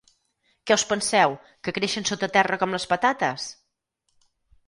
Què us penseu, que creixen sota terra com les patates?